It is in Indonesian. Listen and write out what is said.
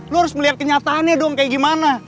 lo harus melihat kenyataannya dong kayak gimana